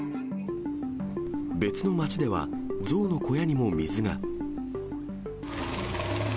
別の街では、象の小屋にも水が。